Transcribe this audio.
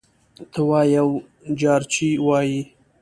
ته وا یو جارچي وايي: